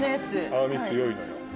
青み強いのよ。